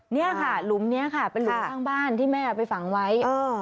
นี่ค่ะหลุมนี้ค่ะเป็นหลุมข้างบ้านที่แม่เอาไปฝังไว้